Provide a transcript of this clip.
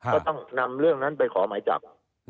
ก็ต้องนำเรื่องนั้นไปขอหมายจับ